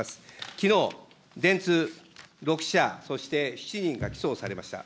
きのう、電通、６社、そして７人が起訴をされました。